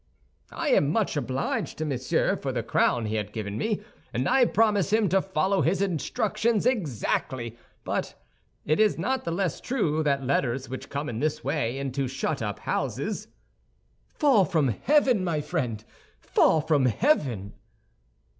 "I am much obliged to Monsieur for the crown he has given me, and I promise him to follow his instructions exactly; but it is not the less true that letters which come in this way into shut up houses—" "Fall from heaven, my friend, fall from heaven."